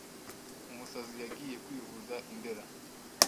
Umusazi yagiye kwivuza i Ndera